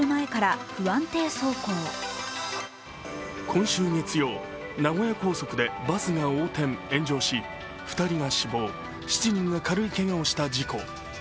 今週月曜、名古屋高速でバスが横転、炎上し２人が死亡、７人が軽いけがをした事故。